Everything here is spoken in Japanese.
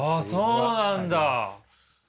そうなんだ。